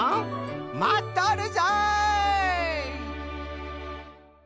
まっとるぞい！